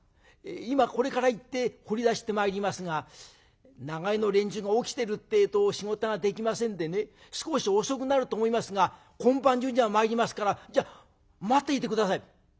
今これから行って掘り出してまいりますが長屋の連中が起きてるってえと仕事ができませんでね少し遅くなると思いますが今晩中には参りますからじゃあ待っていて下さい」。